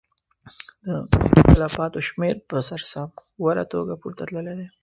ملکي تلفاتو شمېره په سر سام اوره توګه پورته تللې ده.